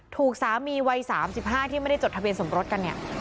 ถูกสามีวัย๓๕ที่ไม่ได้จดทะเบียนสมรสกันเนี่ย